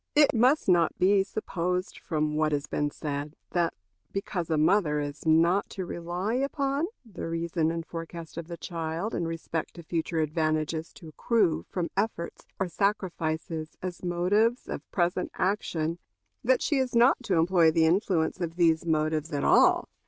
It must not be supposed from what has been said that because a mother is not to rely upon the reason and forecast of the child in respect to future advantages to accrue from efforts or sacrifices as motives of present action, that she is not to employ the influence of these motives at all.